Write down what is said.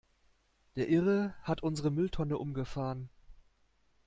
Der Irre hat unsere Mülltonne umgefahren!